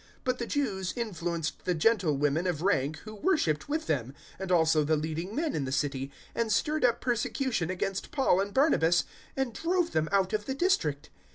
013:050 But the Jews influenced the gentlewomen of rank who worshipped with them, and also the leading men in the city, and stirred up persecution against Paul and Barnabas and drove them out of the district.